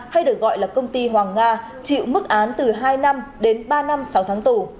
hay được gọi là công ty hoàng nga chịu mức án từ hai năm đến ba năm sáu tháng tù